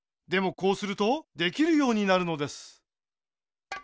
こうするとできるようになるのです。